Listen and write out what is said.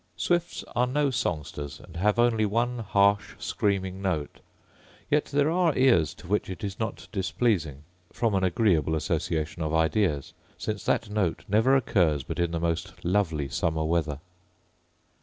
Swifts are no songsters, and have only one harsh screaming note; yet there are ears to which it is not displeasing, from an agreeable association of ideas, since that note never occurs but in the most lovely summer weather.